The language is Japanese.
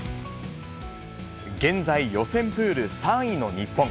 現在、予選プール３位の日本。